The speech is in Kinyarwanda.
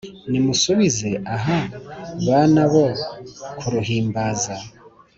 nimusubize aha bana bo ku ruhimbaza